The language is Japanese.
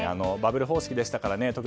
バブル方式でしたからね。